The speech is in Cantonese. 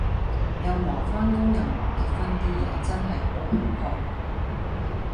又忙返工又忙結婚 D 野，真係好頻撲